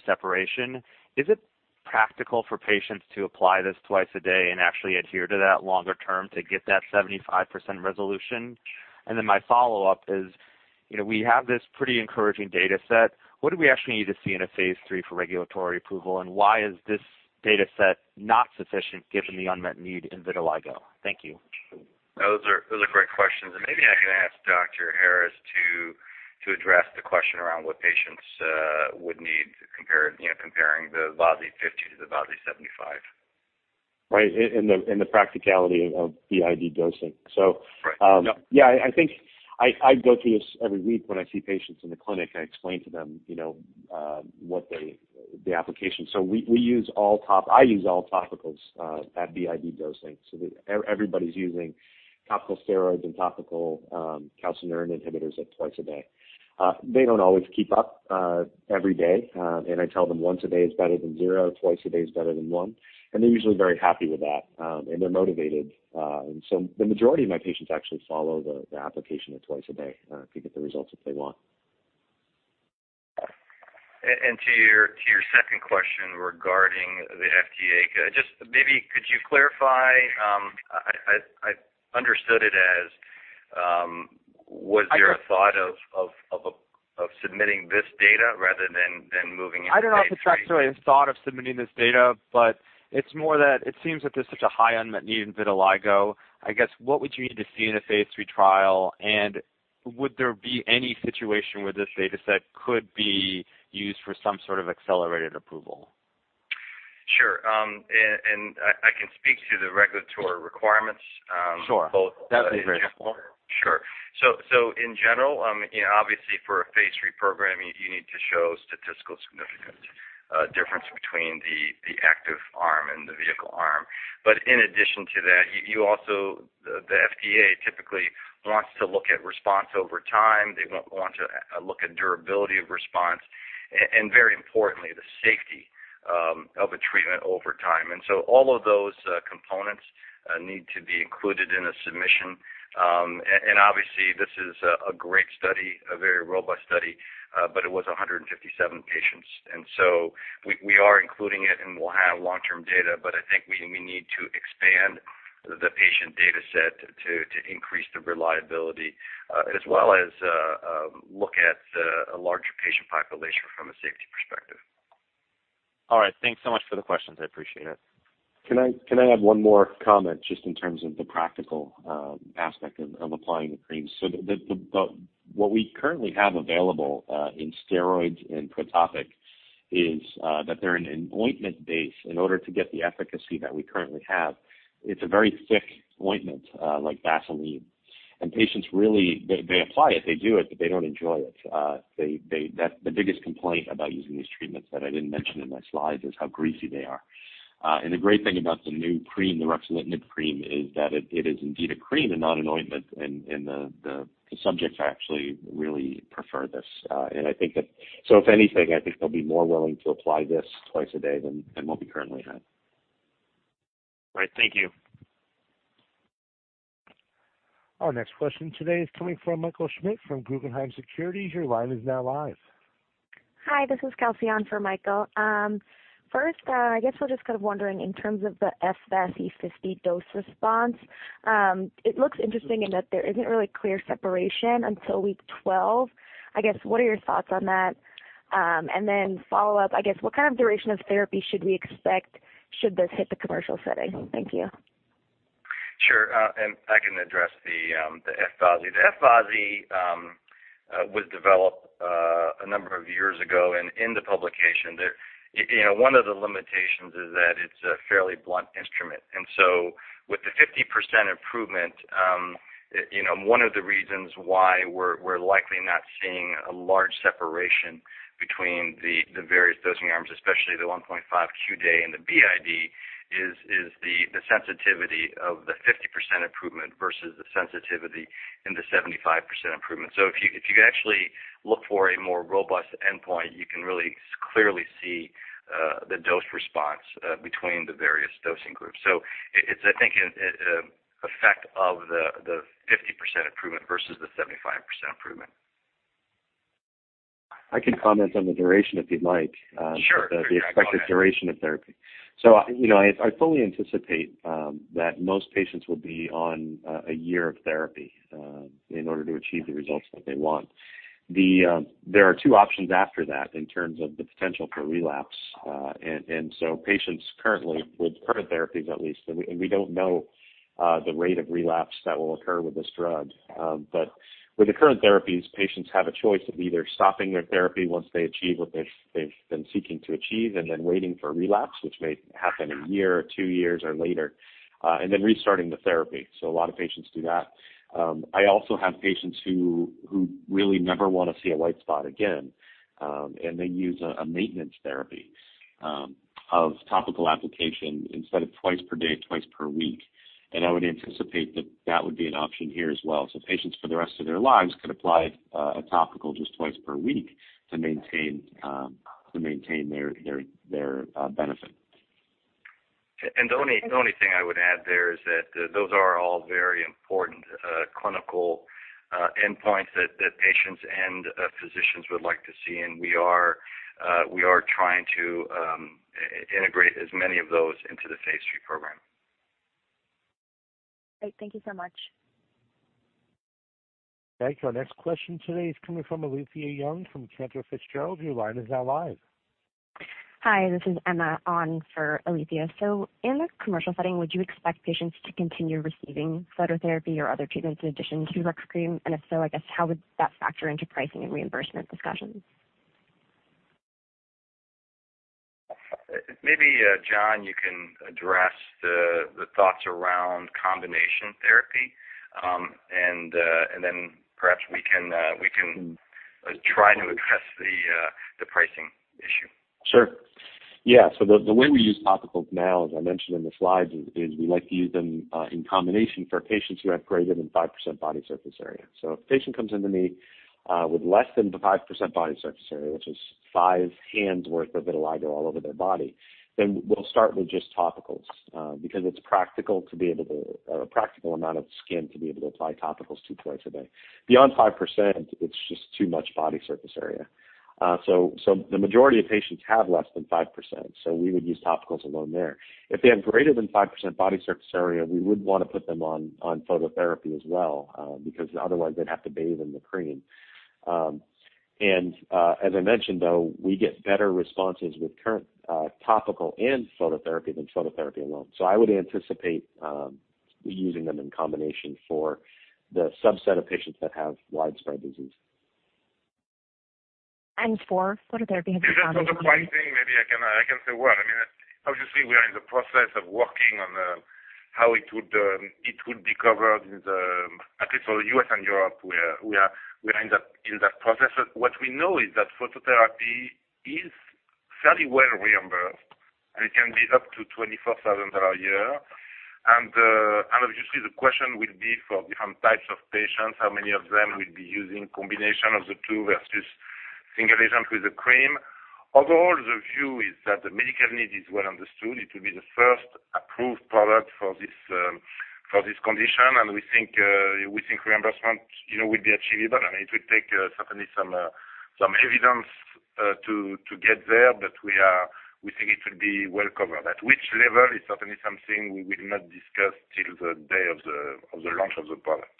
separation. Is it practical for patients to apply this twice a day and actually adhere to that longer term to get that 75% resolution? My follow-up is, we have this pretty encouraging data set. What do we actually need to see in a phase III for regulatory approval, and why is this data set not sufficient given the unmet need in vitiligo? Thank you. Those are great questions. Maybe I can ask Dr. Harris to address the question around what patients would need, comparing the VASI-50 to the VASI-75. Right, in the practicality of b.i.d. dosing. Right. Yeah I think I go through this every week when I see patients in the clinic, and I explain to them the application. I use all topicals at b.i.d dosing. Everybody's using topical steroids and topical calcineurin inhibitors at twice a day. They don't always keep up every day, and I tell them once a day is better than zero, twice a day is better than one. They're usually very happy with that. They're motivated. The majority of my patients actually follow the application at twice a day to get the results that they want. To your second question regarding the FDA, just maybe could you clarify? I understood it as, was there a thought of submitting this data rather than moving into phase III? I don't know if it's actually a thought of submitting this data, it's more that it seems that there's such a high unmet need in vitiligo. I guess, what would you need to see in a phase III trial, and would there be any situation where this data set could be used for some sort of accelerated approval? Sure. I can speak to the regulatory requirements. Sure. That'd be very helpful Sure. In general, obviously for a phase III program, you need to show statistical significance, difference between the active arm and the vehicle arm. In addition to that, the FDA typically wants to look at response over time. They want to look at durability of response. Very importantly, the safety of a treatment over time. All of those components need to be included in a submission. Obviously this is a great study, a very robust study, but it was 157 patients, so we are including it and we'll have long-term data, I think we need to expand the patient data set to increase the reliability, as well as look at a larger patient population from a safety perspective. All right. Thanks so much for the questions. I appreciate it. Can I add one more comment, just in terms of the practical aspect of applying the cream? What we currently have available, in steroids and Protopic, is that they're in an ointment base in order to get the efficacy that we currently have. It's a very thick ointment, like Vaseline. Patients really, they apply it, they do it, but they don't enjoy it. The biggest complaint about using these treatments that I didn't mention in my slides is how greasy they are. The great thing about the new cream, the ruxolitinib cream, is that it is indeed a cream and not an ointment, and the subjects actually really prefer this. If anything, I think they'll be more willing to apply this twice a day than what we currently have. All right. Thank you. Our next question today is coming from Michael Schmidt from Guggenheim Securities. Your line is now live. Hi, this is Kelsey on for Michael. First, we're just wondering in terms of the F-VASI 50 dose response. It looks interesting in that there isn't really clear separation until week 12. What are your thoughts on that? Follow up, what kind of duration of therapy should we expect should this hit the commercial setting? Thank you. Sure. I can address the F-VASI. The F-VASI was developed a number of years ago, in the publication there, one of the limitations is that it's a fairly blunt instrument. With the 50% improvement, one of the reasons why we're likely not seeing a large separation between the various dosing arms, especially the 1.5 QD and the BID, is the sensitivity of the 50% improvement versus the sensitivity in the 75% improvement. If you could actually look for a more robust endpoint, you can really clearly see the dose response between the various dosing groups. It's, I think, an effect of the 50% improvement versus the 75% improvement. I can comment on the duration, if you'd like. Sure. The expected duration of therapy. I fully anticipate that most patients will be on a year of therapy in order to achieve the results that they want. There are two options after that in terms of the potential for relapse. Patients currently, with current therapies at least, and we don't know the rate of relapse that will occur with this drug. With the current therapies, patients have a choice of either stopping their therapy once they achieve what they've been seeking to achieve, then waiting for relapse, which may happen a year or two years or later, then restarting the therapy. A lot of patients do that. I also have patients who really never want to see a white spot again, and they use a maintenance therapy of topical application instead of twice per day, twice per week. I would anticipate that that would be an option here as well. Patients for the rest of their lives could apply a topical just twice per week to maintain their benefit. The only thing I would add there is that those are all very important clinical endpoints that patients and physicians would like to see. We are trying to integrate as many of those into the phase III program. Great. Thank you so much. Thank you. Our next question today is coming from Alethia Young from Cantor Fitzgerald. Your line is now live. Hi, this is Emma on for Alethia. In the commercial setting, would you expect patients to continue receiving phototherapy or other treatments in addition to RUX cream? If so, I guess how would that factor into pricing and reimbursement discussions? Maybe, John, you can address the thoughts around combination therapy, then perhaps we can try to address the pricing issue. Sure. Yeah. The way we use topicals now, as I mentioned in the slides, is we like to use them in combination for patients who have greater than 5% body surface area. If a patient comes into me with less than the 5% body surface area, which is five hands worth of vitiligo all over their body, then we'll start with just topicals. Because it's a practical amount of skin to be able to apply topicals to twice a day. Beyond 5%, it's just too much body surface area. The majority of patients have less than 5%, so we would use topicals alone there. If they have greater than 5% body surface area, we would want to put them on phototherapy as well, because otherwise they'd have to bathe in the cream. As I mentioned though, we get better responses with current topical and phototherapy than phototherapy alone. I would anticipate using them in combination for the subset of patients that have widespread disease. For phototherapy On the pricing, maybe I can say a word. We are in the process of working on how it would be covered in the, at least for the U.S. and Europe, we are in that process. What we know is that phototherapy is Fairly well reimbursed, and it can be up to $24,000 a year. The question will be for different types of patients, how many of them will be using combination of the two versus single agent with the cream. Overall, the view is that the medical need is well understood. It will be the first approved product for this condition, and we think reimbursement will be achievable, and it will take certainly some evidence to get there. We think it will be well covered. At which level is certainly something we will not discuss till the day of the launch of the product.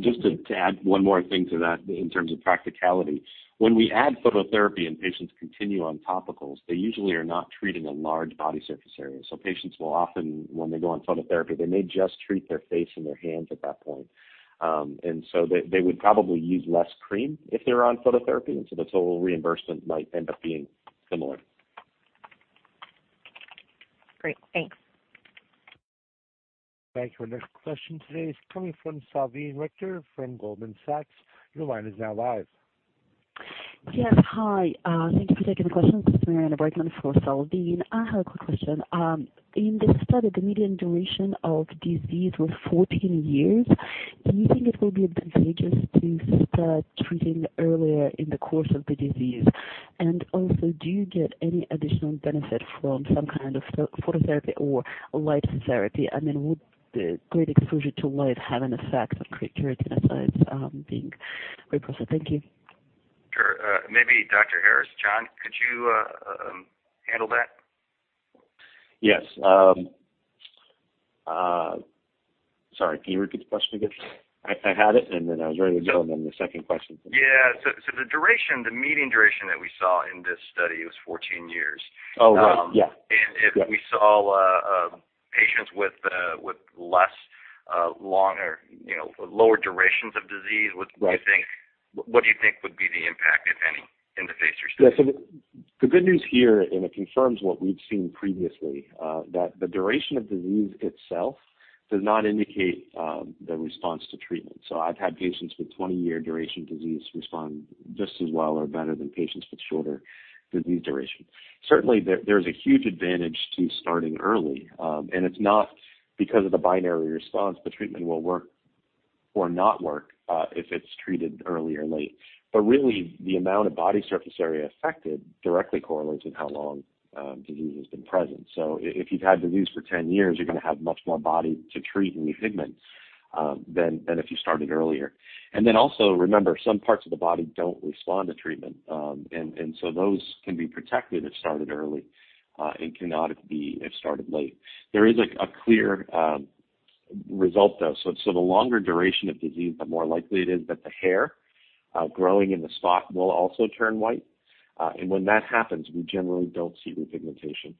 Just to add one more thing to that in terms of practicality. When we add phototherapy and patients continue on topicals, they usually are not treating a large body surface area. Patients will often, when they go on phototherapy, they may just treat their face and their hands at that point. They would probably use less cream if they're on phototherapy, and so the total reimbursement might end up being similar. Great. Thanks. Thank you. Our next question today is coming from Salveen Richter from Goldman Sachs. Your line is now live. Yes. Hi. Thank you for taking the question. This is Mariana Tobon for Salveen. I have a quick question. In the study, the median duration of disease was 14 years. Do you think it will be advantageous to start treating earlier in the course of the disease? Also, do you get any additional benefit from some kind of phototherapy or light therapy? I mean, would the great exposure to light have an effect of creating keratinocytes being repurposed? Thank you. Sure. Maybe Dr. Harris. John, could you handle that? Yes. Sorry, can you repeat the question again? I had it, then I was ready to go. Yeah. The median duration that we saw in this study was 14 years. Oh, right. Yeah. If we saw patients with lower durations of disease- Right What do you think would be the impact, if any, in the phase III study? Yeah. The good news here, it confirms what we've seen previously, that the duration of disease itself does not indicate the response to treatment. I've had patients with 20-year duration disease respond just as well or better than patients with shorter disease duration. Certainly, there's a huge advantage to starting early. It's not because of the binary response, the treatment will work or not work if it's treated early or late. Really, the amount of body surface area affected directly correlates with how long disease has been present. If you've had disease for 10 years, you're going to have much more body to treat repigment than if you started earlier. Also remember, some parts of the body don't respond to treatment. Those can be protected if started early, and cannot be if started late. There is a clear result, though. The longer duration of disease, the more likely it is that the hair growing in the spot will also turn white. When that happens, we generally don't see repigmentation.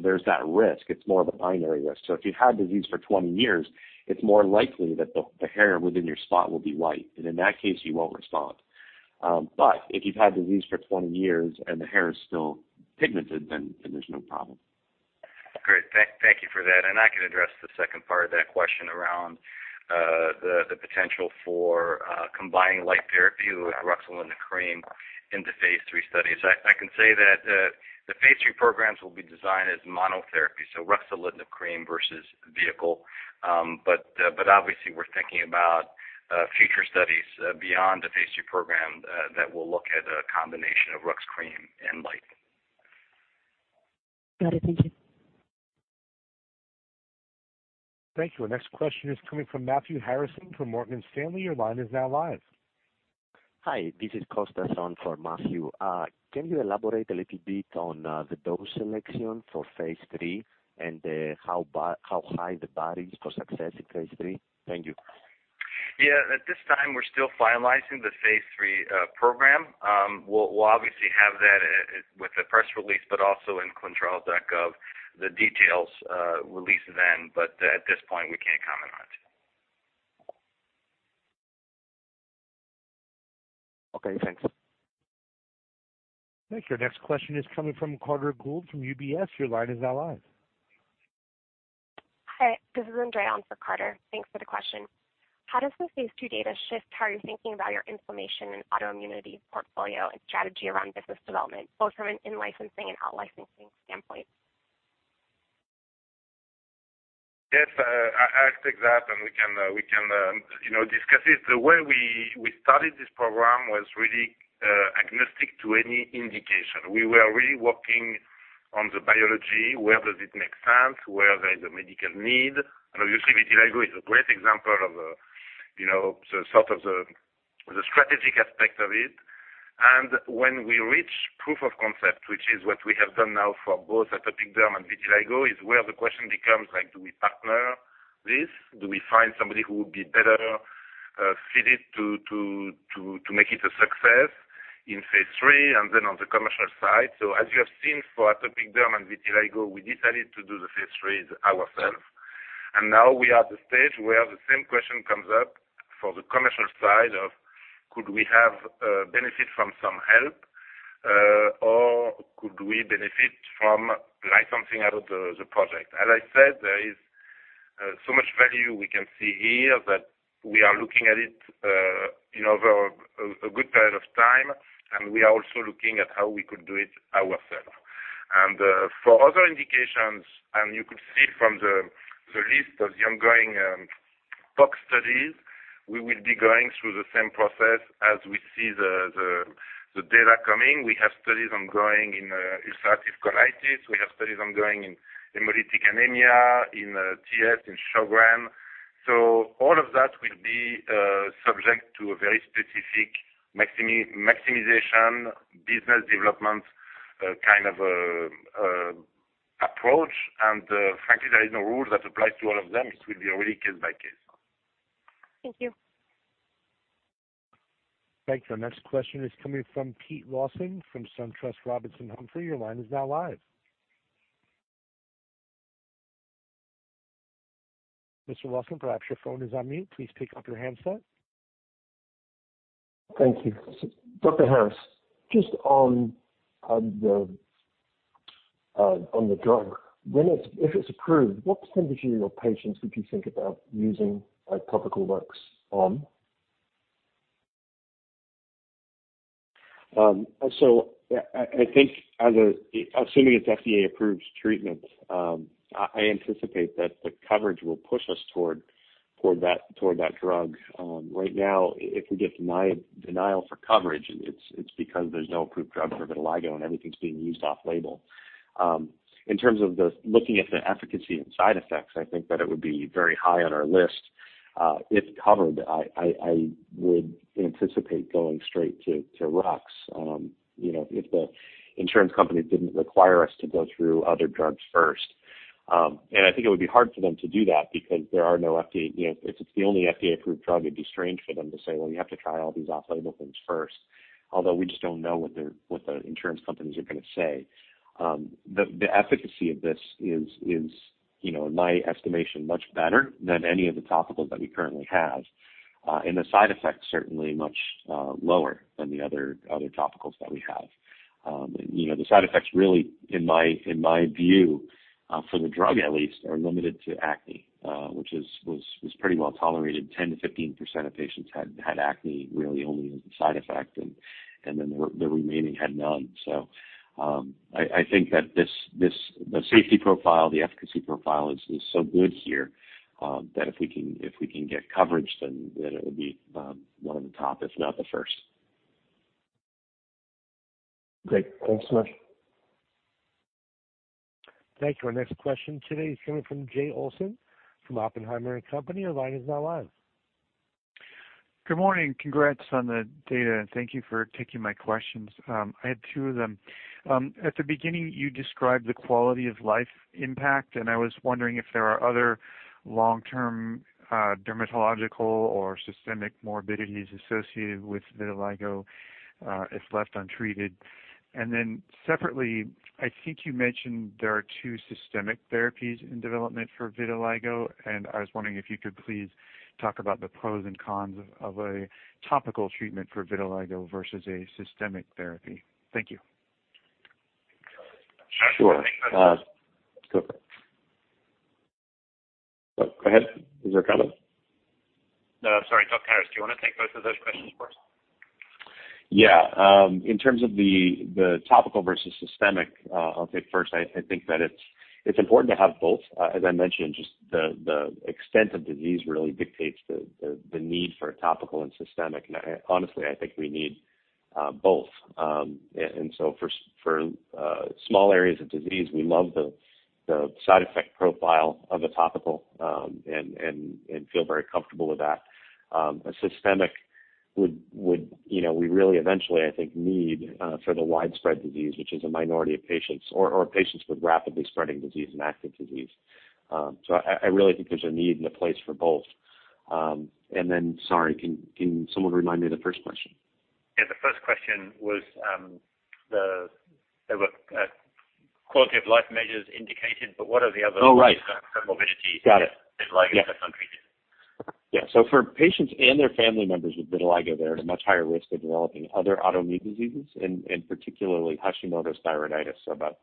There's that risk. It's more of a binary risk. If you've had disease for 20 years, it's more likely that the hair within your spot will be white. In that case, you won't respond. If you've had disease for 20 years and the hair is still pigmented, there's no problem. Great. Thank you for that. I can address the second part of that question around the potential for combining light therapy with ruxolitinib cream in the phase III studies. I can say that the phase III programs will be designed as monotherapy, ruxolitinib cream versus vehicle. Obviously we're thinking about future studies beyond the phase III program that will look at a combination of rux cream and light. Got it. Thank you. Thank you. Our next question is coming from Matthew Harrison from Morgan Stanley. Your line is now live. Hi, this is Costa on for Matthew. Can you elaborate a little bit on the dose selection for phase III, and how high the bar is for success in phase III? Thank you. Yeah. At this time, we're still finalizing the phase III program. We'll obviously have that with the press release, but also in clinicaltrials.gov, the details release then, but at this point, we can't comment on it. Okay, thanks. Thank you. Our next question is coming from Carter Gould from UBS. Your line is now live. Hi. This is Andrea on for Carter. Thanks for the question. How does the phase II data shift how you're thinking about your Inflammation and Autoimmunity portfolio and strategy around business development, both from an in-licensing and out-licensing standpoint? Yes. I'll take that, and we can discuss it. The way we started this program was really agnostic to any indication. We were really working on the biology, where does it make sense, where there is a medical need. Obviously, vitiligo is a great example of the sort of the strategic aspect of it. When we reach proof of concept, which is what we have done now for both atopic derm and vitiligo, is where the question becomes, do we partner this? Do we find somebody who would be better fitted to make it a success in phase III, and then on the commercial side? As you have seen for atopic derm and vitiligo, we decided to do the phase IIIs ourself. Now we are at the stage where the same question comes up for the commercial side of could we have benefit from some help or Do we benefit from licensing out the project? As I said, there is so much value we can see here that we are looking at it over a good period of time, and we are also looking at how we could do it ourselves. For other indications, you could see from the list of the ongoing JAK studies, we will be going through the same process as we see the data coming. We have studies ongoing in ulcerative colitis. We have studies ongoing in hemolytic anemia, in TS, in Sjögren. All of that will be subject to a very specific maximization business development kind of approach. Frankly, there is no rule that applies to all of them. It will be really case by case. Thank you. Thank you. Our next question is coming from Peter Lawson from SunTrust Robinson Humphrey. Your line is now live. Mr. Lawson, perhaps your phone is on mute. Please pick up your handset. Thank you. Dr. Harris, just on the drug, if it's approved, what percentage of your patients would you think about using a topical rux on? I think, assuming it's FDA-approved treatment, I anticipate that the coverage will push us toward that drug. Right now, if we get denial for coverage, it's because there's no approved drug for vitiligo, and everything's being used off-label. In terms of looking at the efficacy and side effects, I think that it would be very high on our list. If covered, I would anticipate going straight to RUX if the insurance companies didn't require us to go through other drugs first. I think it would be hard for them to do that, because if it's the only FDA-approved drug, it'd be strange for them to say, "Well, you have to try all these off-label things first." We just don't know what the insurance companies are going to say. The efficacy of this is, in my estimation, much better than any of the topicals that we currently have. The side effects certainly much lower than the other topicals that we have. The side effects really, in my view, for the drug at least, are limited to acne, which was pretty well tolerated. 10%-15% of patients had acne really only as a side effect, and then the remaining had none. I think that the safety profile, the efficacy profile is so good here that if we can get coverage, then it'll be one of the top, if not the first. Great. Thanks so much. Thank you. Our next question today is coming from Jay Olson from Oppenheimer & Company. Your line is now live. Good morning. Congrats on the data, Thank you for taking my questions. I have two of them. At the beginning, you described the quality of life impact, I was wondering if there are other long-term dermatological or systemic morbidities associated with vitiligo if left untreated. Separately, I think you mentioned there are two systemic therapies in development for vitiligo, I was wondering if you could please talk about the pros and cons of a topical treatment for vitiligo versus a systemic therapy. Thank you. Sure. Go for it. Go ahead. Is there a comment? No, sorry. Dr. Harris, do you want to take both of those questions first? Yeah. In terms of the topical versus systemic, I'll take first. I think that it's important to have both. As I mentioned, just the extent of disease really dictates the need for a topical and systemic. Honestly, I think we need both. For small areas of disease, we love the side effect profile of a topical and feel very comfortable with that. A systemic would we really eventually, I think, need for the widespread disease, which is a minority of patients, or patients with rapidly spreading disease and active disease. I really think there's a need and a place for both. Sorry, can someone remind me the first question? Yeah, the first question was there were quality-of-life measures indicated, what are the other- Oh, right morbidities- Got it with vitiligo if left untreated? For patients and their family members with vitiligo, they're at a much higher risk of developing other autoimmune diseases, particularly Hashimoto's thyroiditis. About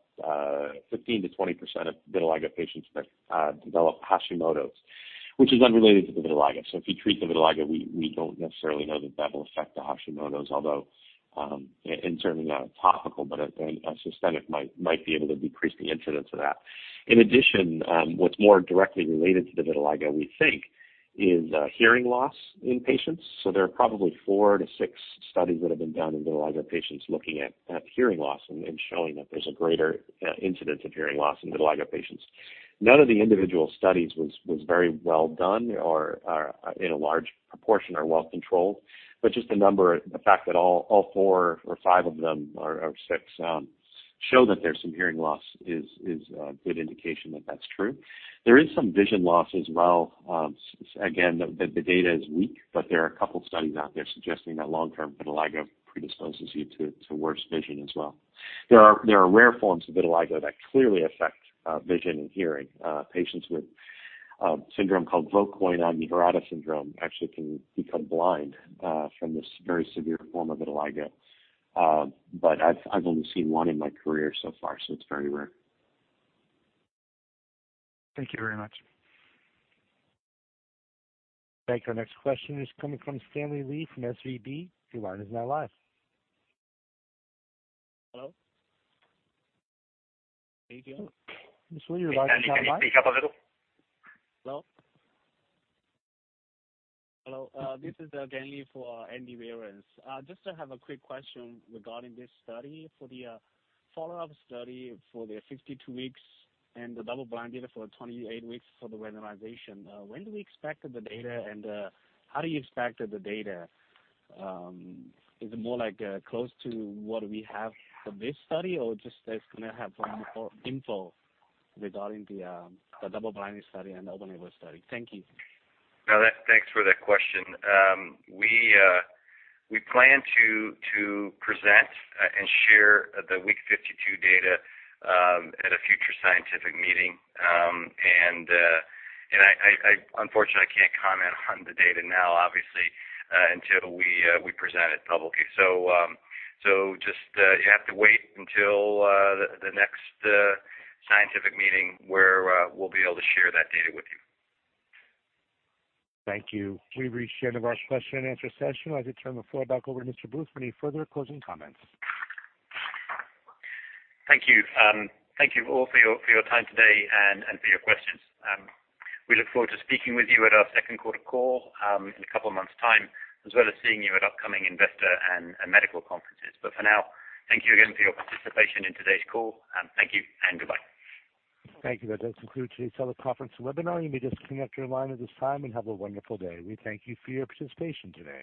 15%-20% of vitiligo patients develop Hashimoto's, which is unrelated to the vitiligo. If you treat the vitiligo, we don't necessarily know that that will affect the Hashimoto's, although certainly not a topical, but a systemic might be able to decrease the incidence of that. In addition, what's more directly related to the vitiligo, we think, is hearing loss in patients. There are probably four to six studies that have been done in vitiligo patients looking at hearing loss and showing that there's a greater incidence of hearing loss in vitiligo patients. None of the individual studies was very well done or in a large proportion or well-controlled. Just the number, the fact that all four or five of them, or six, show that there's some hearing loss is a good indication that that's true. There is some vision loss as well. Again, the data is weak, but there are a couple of studies out there suggesting that long-term vitiligo predisposes you to worse vision as well. There are rare forms of vitiligo that clearly affect vision and hearing. Patients with a syndrome called Vogt-Koyanagi-Harada syndrome actually can become blind from this very severe form of vitiligo. I've only seen one in my career so far, so it's very rare. Thank you very much. Thank you. Our next question is coming from Stanley Lee from SEB. Your line is now live. Hello? How are you doing? Mr. Lee, your line is not live. Stanley, can you speak up a little? Hello? Hello, this is Stanley for Andy Weins. Just to have a quick question regarding this study. For the follow-up study for the 52 weeks and the double-blind data for 28 weeks for the randomization, when do we expect the data, and how do you expect the data? Is it more close to what we have for this study, or just as can I have more info regarding the double-blind study and open-label study? Thank you. Thanks for that question. We plan to present and share the week 52 data at a future scientific meeting. Unfortunately, I can't comment on the data now, obviously, until we present it publicly. Just you have to wait until the next scientific meeting where we'll be able to share that data with you. Thank you. We've reached the end of our question and answer session. I'd like to turn the floor back over to Mr. Booth for any further closing comments. Thank you. Thank you all for your time today and for your questions. We look forward to speaking with you at our second quarter call in a couple of months' time, as well as seeing you at upcoming investor and medical conferences. For now, thank you again for your participation in today's call. Thank you and goodbye. Thank you. That does conclude today's teleconference and webinar. You may disconnect your line at this time, and have a wonderful day. We thank you for your participation today.